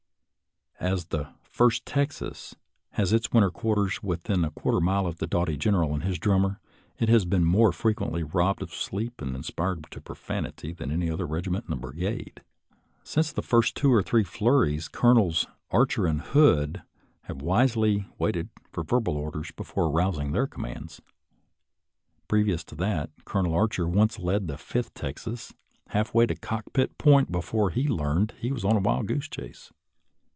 As the First Texas has its .winter quarters within a quarter of a mile of the doughty Gen eral and his drummer, it has been more fre quently robbed of sleep and inspired to profanity than any other regiment of the brigade. Since the first two or three flurries. Colonels Archer and Hood have wisely waited for verbal orders EARLY EXPERIENCES IN CAMP 19 before arousing their commands. Previous to that, Colonel Archer once led the Fifth Texas half way to Cockpit Point before he learned he was on a wild goose chase.